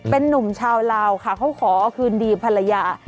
เป็นนุ่มชาวลาวค่ะเขาขอคืนดีภรรยา